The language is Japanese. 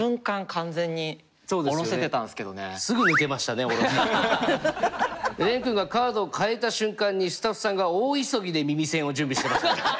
あの降ろした時ね廉君がカードを変えた瞬間にスタッフさんが大急ぎで耳栓を準備してらした。